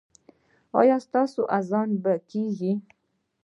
ایا ستاسو اذان به کیږي؟